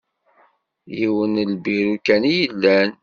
Yiwen n lbiru kan i yellan.